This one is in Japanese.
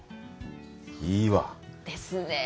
いいわ。ですねぇ。